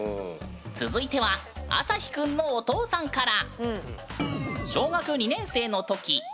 続いてはアサヒくんのお父さんから！